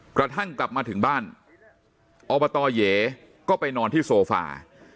กระทั่งกลับมาถึงบ้านอบตเหยก็ไปนอนที่โซฟา